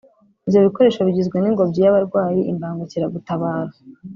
Ibyo bikoresho bigizwe n’ingobyi y’abarwayi (imbangukiragutabara)